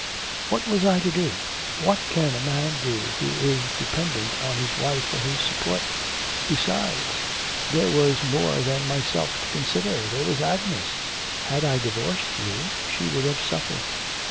'What was I to do; what can a man do who is dependent on his wife for his support? Besides, there was more than myself to consider, there was Agnes; had I divorced you she would have suffered.'